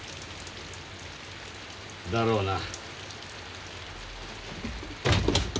だろうな。